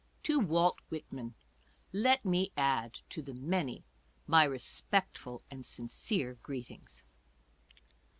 To Walt Whitman — Let me add to the many my respectful and sincere greetings.